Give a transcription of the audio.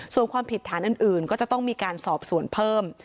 ส่วนความผิดฐานอื่นก็จะต้องมีการสอบสวนเพิ่ม